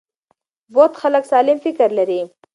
بوخت خلک سالم فکر لري.